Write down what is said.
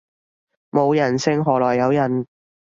冇人性何來有人